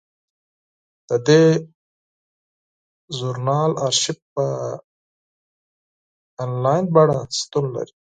د دې ژورنال ارشیف په انلاین بڼه شتون لري.